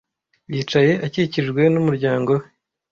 Yicaye akikijwe n'umuryango we.